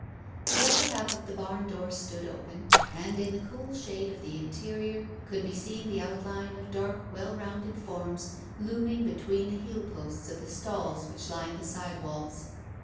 The upper half of the barn door stood open, and in the cool shade of the interior could be seen the outline of dark, well rounded forms looming between the heel posts of the stalls which lined the side walls.